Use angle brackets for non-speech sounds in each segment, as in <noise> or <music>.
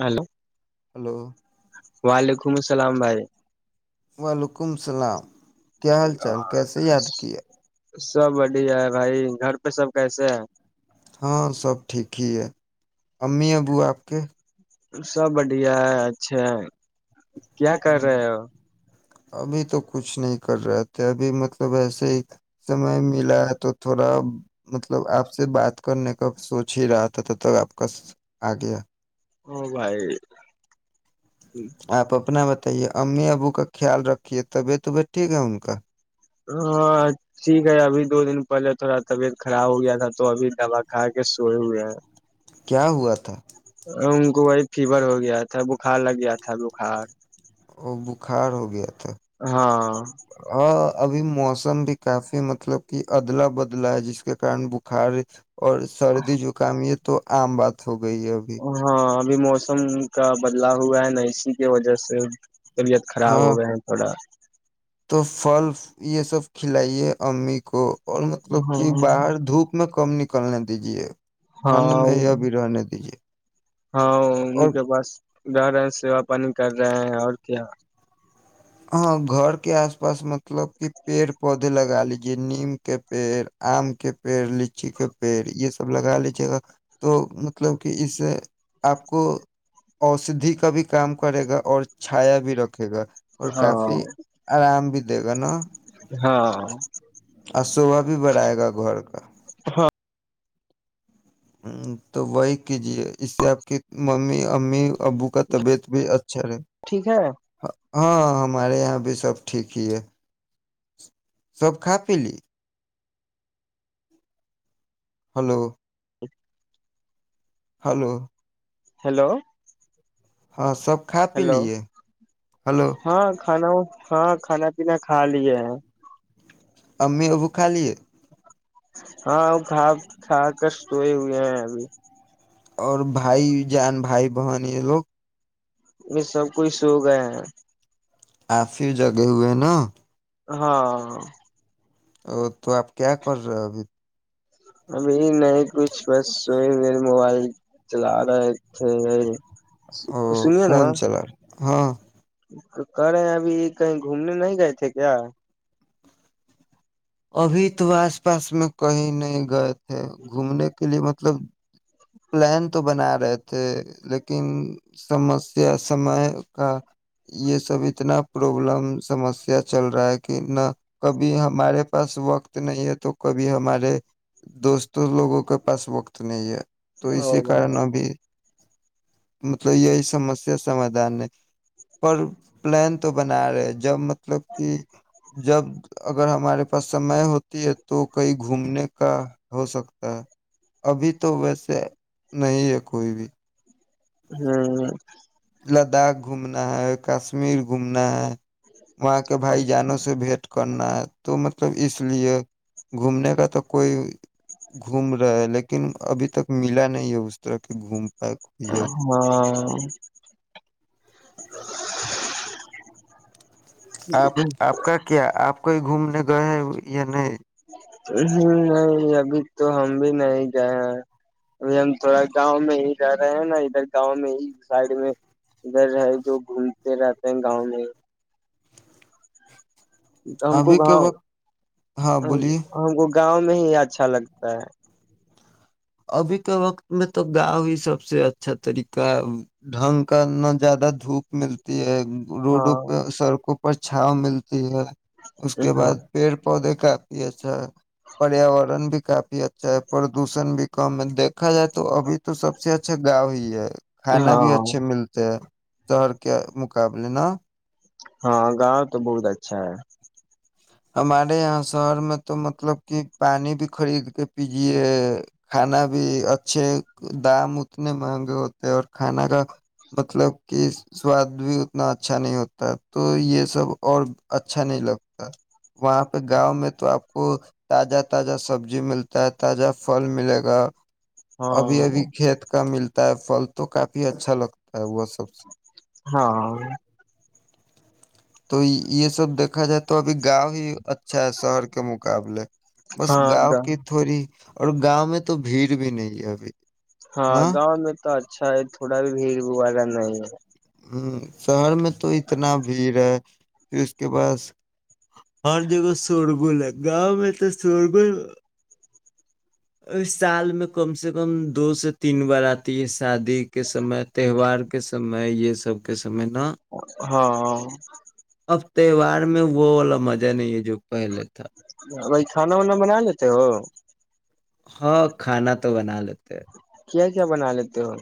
Hello hello ولیک م السلام بھائی وعلیکم السلام کیا حال چال کیسے یاد کیا؟ سب بڑھیا ہے بھائی گھر پہ سب کیسے ہے ہاں سب ٹھیک ہی ہے امی ابو آپ کے سب بڑھیا ہے اچھا ہے کیا کر رہے ہو ابھی تو کچھ نہیں کر رہے تھے ابھی مطلب ایسے ہی سمئے ملا تو تھوڑا مطلب آپ سے بات کرنے کا سوچ ہی رہا تھا تھا تک آپ کا آ گیا او بھائی آپ اپنا ب ت یہ امی ابو کا خیال رکھھیے تبعتبت ٹھیک ہے ہ کا ہاں ٹھیک ہے ابھی دو دن پہلے تھوڑا طبیعت خراب ہو گیا تھا تو ابھی دوا کھا کے سوئے ہوئے ہیں کیا ہوا تھا ان کو وہی فیور ہو گیا تھا بخار لگ گیا تھا بخار اور بخار ہو گیا تھا ہاں ہاں ابھی موسم بھی کافی مطلب کہ ادلا بدلا ہے جس کے کارن بخار اور سردی زکام تو عام بات ہو گئی ہے ابھی بھی موسم کا بدلاؤ ہوا ہے نشی کی وجہ سے طبیعت خراب ہو ہاں گئے ہیں تھوڑا تو پھل یہ سب کھلائیے امی کو اور مطلب کہ ہاں باہر دھوپ میں کم ن کرنے دیجیے ٹھنڈ میں ہاں یا بھی رہنے دیجے ہاں ان کے پاس گ رہ سیوا پانی کر رہے ہیں اور کیا ا گھر کے اس پاس مطلب کہ پیڑ پودے لگا لیجیے نیم کے پیر ام کے پیر چی کے پیڑ یہ س سب لگا لیجیے گا تو مطلب کہ اس سے آپ کو اسدھھی کا بھی کام کرے گا اور چھایا بھی رکھے گا اور ہاں کافی آرام بھی دھنا ہاں اور صوبا بھی بڑھائے گا گھر کا تو وہی کیجیے اس سے آپ کی ممی امی ابو کا طبیعت بھی ا اچ چرے ٹھیک ہے ہاں ہاں ہمارے یہاں بھی سب ٹھیک ہی ہے سب کا پلی ہلو ہلو ہیلو ہاں سب کا پی ہیلو لیے ہلو ہاں کھانا ہاں کھانا پینا کھا لیا ہے امی ابو کا لے ہاں ا کا کا ک توئی یہ ابھی اور بھائی جان بھائی بہانی لوگ میں سب کئی سو گیا ہے آفیو جگے ہوئے نا ہاں ا تو آپ کیا کر رہے ہو ابھی ابھی نہیں کچھ بس ہو ہی میرے موبائل چلا رہے تھے او سنیے نا فون چلا رہے ہاں تو کر رہے ہیں ابھی کہیں گھومنے نہیں گئے تھے کیا ابھی تو آس پاس میں کہیں نہیں گئے تھے گھومنے کے لیے مطلب پلان تو بنا رہے تھے لیکن سمسیا سمے کا یہ سب اتنا پربلم سمسیا چل رہا ہے کہ نہ کبھی ہمارے پاس وقت نہیں ہے تو کبھی ہمارے دوستوں لوگوں کے پاس وقت نہیں ہے تو او اسی کارن بھائی ابھی مطلب یہی سمسیا سمادھان ہے پر پلان تو بنا رہے جب مطلب کہ جب اگر ہمارے پ سمے ہوتی ہے تو کہیں گھومنے کا ہو سکتا ہے ابھی تو ویسے نہیں ہے کوئی بھی ہوں لداخ گھومنا ہے کشمیر گھومنا ہے وہاں کے بھائی جانوں سے بھیٹ کرنا تو مطلب اس لیے گھومنے کا تو کوئی گھوم رہا ہے لیکن ابھی تک ملا نہیں ہے اس طرح کی گھوم پائے کوئی جگہ ہاں <inaudible> آپ آپ کا کیا آپ کوئی گھومنے گئے یا نہیں نہیں ابھی تو ہم بھی نہیں گئے ہیں ابھی ہم تھوڑا گاؤں میں ہی رہ رہے ہیں نا ادھر گاؤں میں ہی سائڈ میں ادھر ہے جو گھومتے رہتے ہیں گاؤں میں ہم کو ابھی کے گاؤ وقت ہاں بولیے ہم کو گاؤں میں ہی اچھا لگتا ہے ابھی کے وقت میں تو گاؤ ہی سب سے اچھا طریقہ ہے ڈھنگ کا نہ زیادہ دھوپ ملتی ہے روڈوں ہاں پہ سڑکوں پر پر چھؤں ملتی ہے اس کے ہاں بعد پیڑ پودے کاپی اچھا پریاورن بھی کافی اچھا ہے پردوشن بھی کم دیکھا جائے تو ابھی تو سب سے اچھا گاؤں ہی ہے کھانا بھی ہاں اچھے ملتے ہیں سہر کے مقابلے نہا ہاں گاؤں تو بہت اچھا ہے ہمارے یہاں شہر میں تو مطلب کہ پانی بھی خرید کے پیجے کھانا بھی اچھے دام اتنے مہنگے ہوتے ہیں اور کھانا کا مطلب کہ سواد بھی اتنا اچھا نہیں ہوتا تو یہ سب اور اچھا نہیں لگتا وہاں پہ گاؤں میں تو آپ کو تازہ تازہ سبزی ملتا ہے تازہ پھل ملے گا ہاں ابھی ابھی کھیت کا ملتا فل تو کافی اچھا لگتا ہے ا وہ سب ہاں تو یہ سب دیکھا جائے تو ابھی گاؤں ہی اچھا ہے شہر کے مقابلے بس گاؤں ہاں کی تھوڑی اور گاؤں میں تو بھیڑ بھی نہیں ہے ابھی ہاں نا گاؤں میں تو اچھا ہے تھوڑا بھی بھیڑ با رہا نہیں ہ شہر میں تو اتنا بھیڑ ہے پھر اس کے پاس اور دگ سورگل ہے گاؤں میں تو سورگل اس سال میں کم سے کم دو سے تین بار آتی ہے شادی کے سمے تہوار کے سمے یہ سب کے س ہاں اب تہوار میں وہ والا مزہ نہیں ہے جو پہلے تھا بی کھانا وانا بنا لیتے ہو ہاں کھانا تو بنا لیتے ہیں کیا کیا بنا لیتے ہو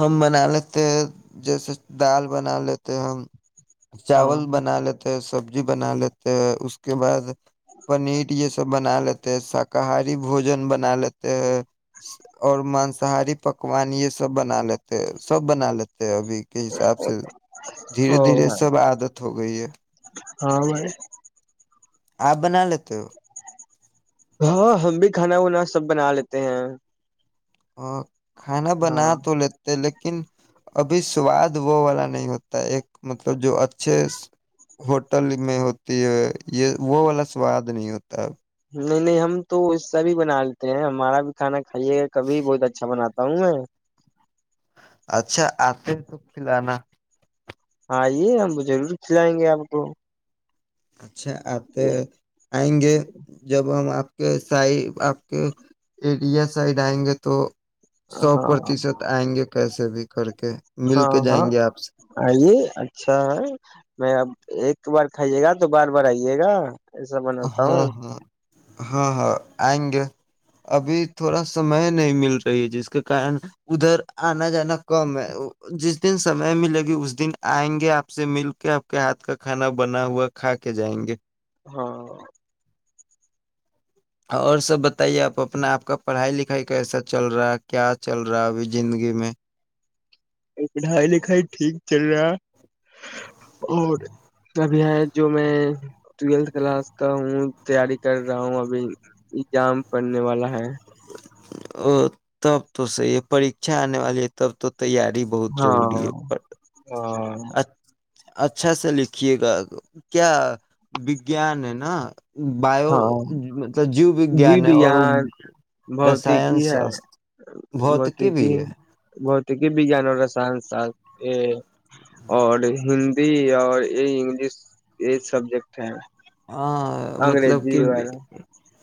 ہم بنا لیتے ہیں جیسے دال بنا لیتے ہیں ہم ہاں چاول بنا لیتے ہیں سب ج بنا لیے اس اس کے بعد پنیر یہ سب بنا لیتے ہیں شاکاہاری بوجن بنا لیتے ہیں اور مانساہاری پکوان یہ سب سب بنا لیتے سب بنا لیتے ابھی کے حساب سے دھیرے او دھیرے سب آ ج ہو گئی ہے ہاں بائی آپ بنا لیتے ہو ہاں ہم بھی کھانا وانا سب بنا لیتے ہیں اور کھانا بنا ہاں تو لیتے لیکن لیکن ابھی سواد وہ والا نہیں ہوتا ایک مطلب جو اچھے ہوٹل میں ہوتی ہے یہ وہ والا سواد نہیں ہوتا ہے نہیں نہیں ہم تو اس سب بھی بنا لیتے ہیں ہمارا بھی کھانا کائیے کہ کبھی بہت اچھا باتا کہؤ میں اچھا آتے تو کلانا آئیے ہم ضرور کھلائیں گے آپ کو اچھا آتے آئیں گے جب ہم آپ سائڈ آپ کے ایریا سائڈ آئیں گے تو سو ہاں پرتیشت آئیں گے پیسے بھی کر کے مل ہاں کے ہاں جائیں گے آپ سے آئیے اچھا ہے میں اب ایک بار کھائیے گا تو بار بار آئیے گا ایسا ہاں بناتا ہوں ہاں ہاں ہاں آئیں گے ابھی تھوڑا سمئے نہیں مل رہی جس کے کن ادھر آنا جانا کم ہے جس دن سمئے ملے گی اس دن آئیں گے آپ سے مل کے آپ کے ہاتھ کا کھانا بنا ہوا کھا کے جائیں گے ہاں اور سب بتائیے آپ اپنا آپ کا پڑھائی لکھائی کیسا چل رہا ہے کیا چل رہا ہے ابھی زندگی میں پڑھائی لکھائی ٹھیک چل رہا اور ابھی جو میں ٹویلھ کلاس کا ہوں تیاری کر رہا ہوں ابھی ایگزام پڑنے والا ہے ا تب تو صحی ہے پھا آنے والی ہے تب تو تیاری بہت ضروری ہے پر اچ اچھا س لکھیے گا کیا وگان ہے نا بایو مطلب جیو وجان ہے اور بوتیکی رسائن ہے شاستر بھتکی بھی بوتیکی ہے ب ک بھی جان سن س یہ اور ہند بھی اور یہ انگلش یہ سبجیکٹ ہے ہاں مطلب کہ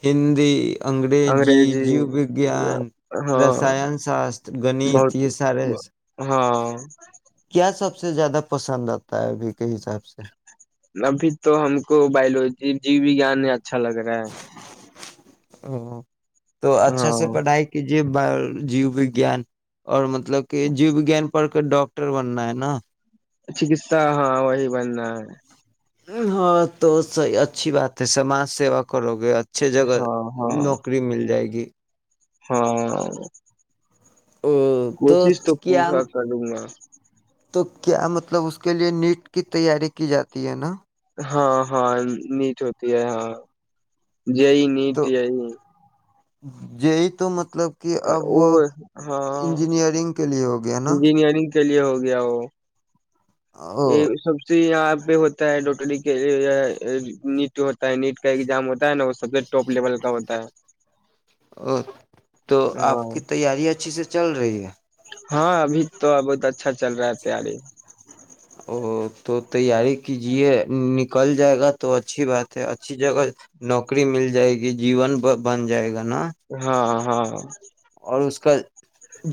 ہندی انگریجی جیو وجیان ہاں رسان شاستر گنیت بہت یہ سارے ہاں کیا سب سب سے زیادہ پسند آتا ہے ابھی کے حساب سے ابھی تو ہم کو بایولوجی جی و جان اچھا لگ رہا ہے ا <unintelligible> تو ہے اچھا سے ہاں پڑھائی کیجیے بای جیو وگیان اور ملب مطلب کہ جیو و جیان پڑ کے ڈاکٹر بننا ہے نا چکسا ہاں وہی بننا ہے ہاں تو سحیح اچھی بات ہے سماج سیوا کرو گے اچھے جگہ ہاں ہاں نوکری مل جائے گی ہاں او، کوشش تو پورا کروں گا تو کیا مطلب اس کے لیے نیٹ کی تیاری کی جاتی ہے نا ہاں ہاں نیچ ہوتی ہے ہاں یہی نیٹ یہی جی تو م مطلب کہ اب وہ انجینئرنگ کے لیے ہوگا انجینئرنگ کے لیے ہو گیا وہ او یہ سب سے ار پہ ہوتا ہے ڈوٹری کے نیٹ ہوتا ہے نیٹ کا ایگزام ہوتا ہے نا وہ سب سے ٹاپ لیول کا ہوتا ہے او تو آپ ہاں کی تیاری اچھی سے چل رہی ہے ہاں ابھی تو بہت اچھا چل رہا ہے تیاری او تو تیاری کیجیے نکل جائے گا تو اچھی بات ہے اچھی جگہ نوکری مل جائے گی جیون بن جائے گا نا ہاں ہاں اور اس کا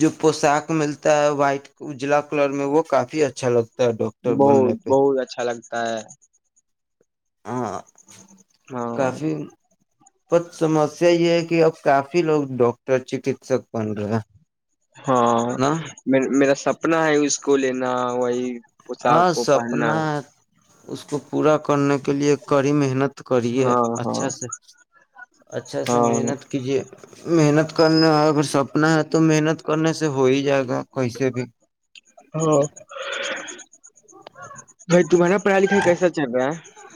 جو پوشاک ملتا ہے وائٹ اجلا کلر میں وہ کافی اچھا لگتا ہے ڈاکٹر بہت بننے پہ بہت اچھا لگتا کہ ہاں ہاں کافی پت سمسیا یہ ہے کہ اب کافی لوگ ڈاکٹر چکیسک بن رہے ہیں ہاں نا میرا سپنا ہے اس کا اسکولینا وہی ہاں پوشاک کو پہننا سپنا اس کو پورا کرنے کے لئے کڑی محنت کرے ہاں ہاں اچھا سے اچھا سے ہاں محنت کیجیے محنت کرنے ا سب اپنا ہے تو محنت کرنے سے ہو ہی جائے گا کس بھی ہاں بھائی تمہارا پڑھائی لکھائی کیسا چل رہا ہے <unintelligible>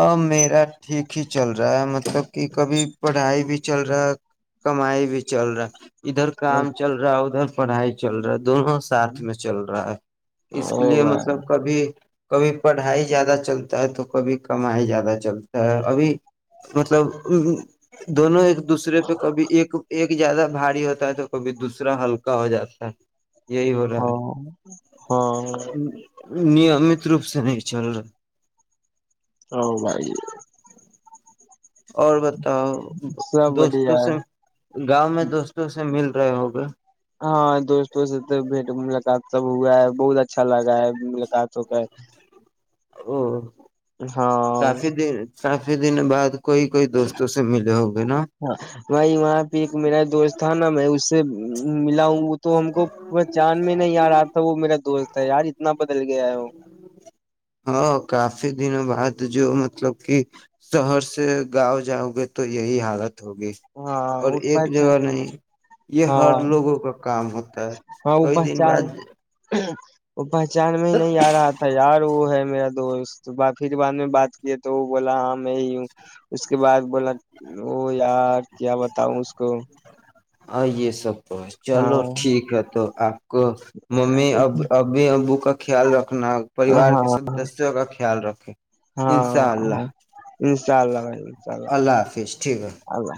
ا میرا ٹھیک ہی چل رہا ہے مطلب کہ کبھی پڑھائی بھی چل رہا ہے کمائی بھی چل رہا ادھر کام چل رہا ہے ادھر پڑھائی چل رہا دونوں ساتھ میں چل رہا ہے اس کے او لیے بھائی مطلب کبھی کبھی پڑھائی زیادہ چلتا ہے تو کبھی کمائی زیادہ چلتا ہے ابھی مطلب دونوں ایک دوسرے پہ کبھی ایک ایک زیادہ بھاری ہوتا ہے تو کبھی دوسرا ہلکا ہو جاتا ہے یہی ہو رہا ہے ہاں ہاں نیمت روپ سے نہیں چل رہا ہو بھائی اور ب تو سب بڑھیا دوستوں ہے سے گاؤں میں دوستوں سے مل ہوگ ہاں دوست و بیٹ ملاقات سب ہوا ہے بہت اچھا لگا ہے ملاقات ہو کر ہ ہاں کافی دن بعد کوئی کوئی دوستوں سے ملے ہو گے نا ہاں بائی وہاں پہ ایک میرا دوست تھانا میں اس سے ملا ہوں وہ تو ہم کو پہچان میں نہیں آ رہا تھا وہ میرا دوست یار اتنا بدل گیا ہے وہ ہاں کافی دنوں بعد جو مطلب کہ شہر سے گاؤں جاؤ گے تو یہی حالت ہوگی ہاں اور وہ ایک پہچان جگہ نہیں یہ ہاں ہر لوگوں کا کام ہوتا کئی دن بعد ہ وہ پہچان میں ہی نہیں آ رہا تھا یار وہ ہے میرا دوست پھر بعد میں بات کی تو وہ بولا ہاں میں ہی ہوں اس کے بعد بولا وہ یار کیا بتاؤ اس کو ہ یہ سب ہاں چلو ٹھیک ہے تو آپ ممی اب ابھی ابو کا خیال رکھنا پریوار ہاں کے سدسوں کا خیال ل رکھے ہاں انشاء ہاں اللہ یہ چء اللہ بھائی چء اللہ حافظ ٹھیک ہے اوا